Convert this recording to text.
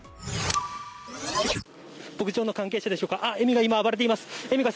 牧場の関係者でしょうか。